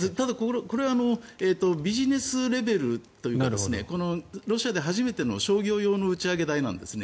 これはビジネスレベルというかロシアで初めての商業用の打ち上げ台なんですね。